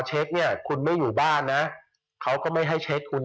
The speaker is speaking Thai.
เช็คเนี่ยคุณไม่อยู่บ้านนะเขาก็ไม่ให้เช็คคุณ